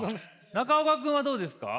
中岡君はどうですか？